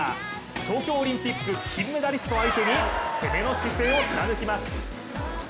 東京オリンピック金メダリスト相手に攻めの姿勢を貫きます。